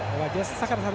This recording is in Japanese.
坂田さん